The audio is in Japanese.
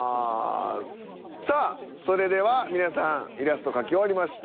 さあそれでは皆さんイラスト描き終わりました。